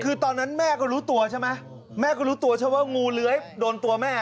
คือตอนนั้นแม่ก็รู้ตัวใช่ไหมแม่ก็รู้ตัวใช่ไหมว่างูเลื้อยโดนตัวแม่